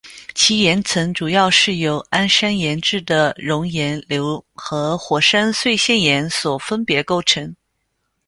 其岩层主要是由安山岩质的熔岩流和火山碎屑岩所分别构成。